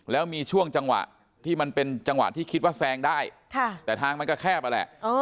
แล้วมีช่วงจังหวะที่มันเป็นจังหวะที่คิดว่าแซงได้แต่ทางมันก็แคบนั่นแหละ